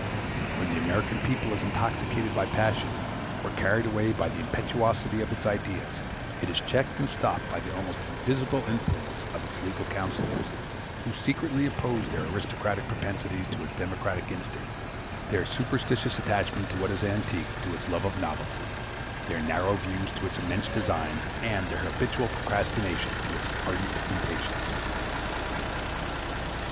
When the American people is intoxicated by passion, or carried away by the impetuosity of its ideas, it is checked and stopped by the almost invisible influence of its legal counsellors, who secretly oppose their aristocratic propensities to its democratic instincts, their superstitious attachment to what is antique to its love of novelty, their narrow views to its immense designs, and their habitual procrastination to its ardent impatience.